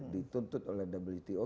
dituntut oleh wto